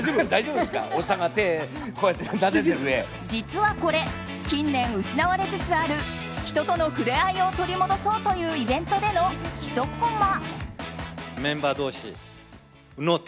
実はこれ、近年失われつつある人との触れ合いを取り戻そうというイベントでのひとこま。